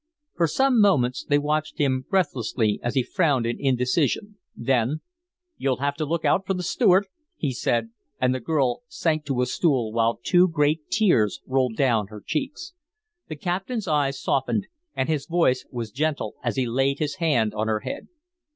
For some moments they watched him breathlessly as he frowned in indecision, then "You'll have to look out for the steward," he said, and the girl sank to a stool while two great tears rolled down her cheeks. The captain's eyes softened and his voice was gentle as he laid his hand on her head.